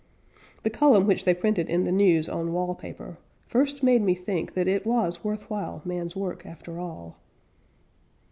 The column which they printed in the "News" On wall paper, first made me think That it was worth while man's work after all.